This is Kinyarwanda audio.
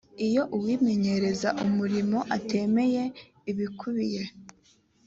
iyo uwimenyereza umurimo atemeye ibikubiye